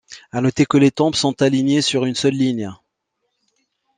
À noter que les tombes sont alignées sur une seule ligne.